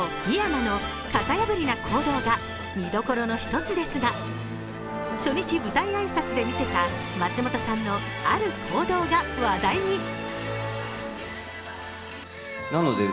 深山の型破りな行動が見どころの一つですが、初日舞台挨拶で見せた松本さんのある行動が話題に。